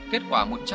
kết quả một trăm linh